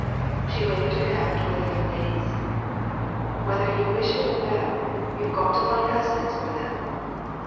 " She waved her hand toward the young ladies. "Whether you wish it or no, you have got to find husbands for them.